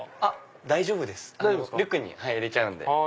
大丈夫ですリュック入れちゃうんで。